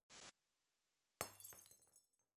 One of the four school houses was named after Lawrence.